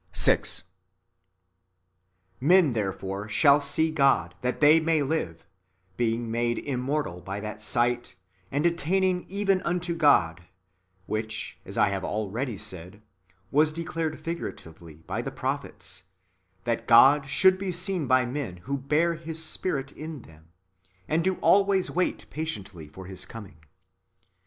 6. Men therefore shall see God, that they may live, being made immortal by that sight, and attaining even unto God ; wdiich, as I have already said, was declared figuratively by the prophets, that God should be seen by men who bear His Spirit [in them], and do always wait patiently for His com ing.